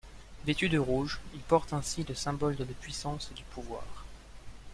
Vêtu de rouge, il porte ainsi le symbole de la puissance et du pouvoir.